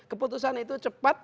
keputusan itu cepat